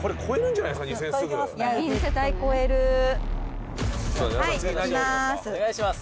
「はい、いきまーす」